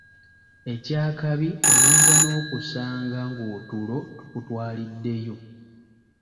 Eky’akabi oyinza n’okusanga ng’otulo tukutwaliddeyo.